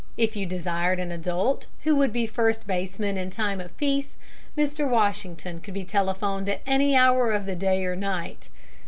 If you desired an adult who would be first baseman in time of peace, Mr. Washington could be telephoned at any hour of the day or night.